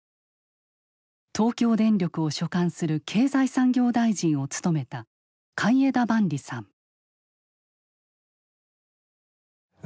東京電力を所管する経済産業大臣を務めた海江田万里さん。